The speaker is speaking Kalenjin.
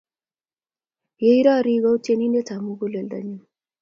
Yeirori kou tyendap muguleldanyu